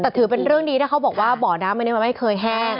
แต่ถือเป็นเรื่องดีถ้าเขาบอกว่าบ่อน้ำอันนี้มันไม่เคยแห้ง